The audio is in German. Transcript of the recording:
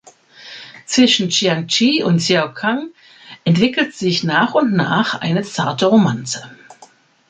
Zwischen Shiang-chyi und Hsiao-kang entwickelt sich nach und nach eine zarte Romanze.